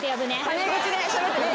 タメ口でしゃべって。